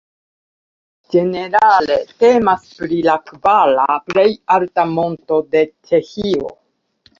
Ĝenerale temas pri la kvara plej alta monto de Ĉeĥio.